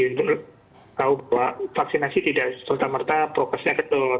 untuk tahu bahwa vaksinasi tidak serta merta prokosektor